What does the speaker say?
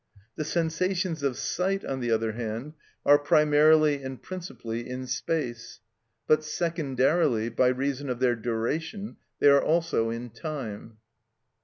The sensations of sight, on the other hand, are primarily and principally in space; but secondarily, by reason of their duration, they are also in time.